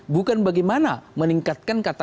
bukan bagaimana meningkatkan katakan